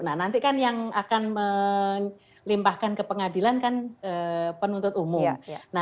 nah nanti kan yang akan melimpahkan ke pengadilan kan penuntut umum